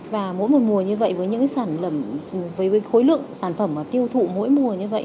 và mỗi một mùa như vậy với những sản phẩm với khối lượng sản phẩm tiêu thụ mỗi mùa như vậy